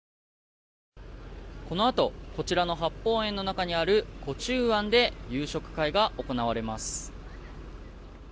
このあとこちらの八芳園の中にある壺中庵で夕食会が行われます。